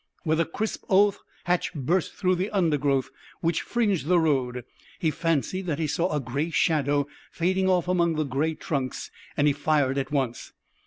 With a crisp oath, Hatch burst through the undergrowth which fringed the road. He fancied that he saw a gray shadow fading off among the gray trunks, and he fired at once.